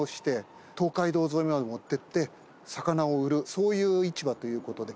そういう市場ということで。